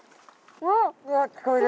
うわ聞こえる！